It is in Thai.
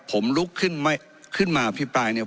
ผมลุกขึ้นมาอภิปรายเนี่ย